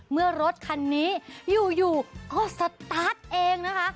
เมื่อรถคันนี้อยู่อยู่ก็เปิดตอนเองนะคะ